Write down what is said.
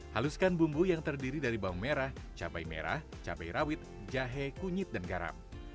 haluskan bumbu yang terdiri dari bawang merah cabai merah cabai rawit jahe kunyit dan garam